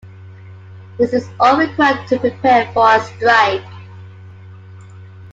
This is all required to prepare for a strike.